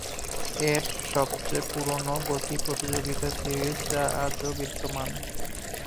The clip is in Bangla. এট সবচেয়ে পুরোনো গতি প্রতিযোগিতা সিরিজ যা আজও বিদ্যমান।